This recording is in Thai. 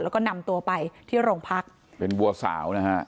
แล้วก็นำตัวไปที่โรงพักเป็นบัวสาวนะฮะ